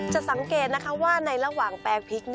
จะสังเกตว่าในระหว่างแปรงพริก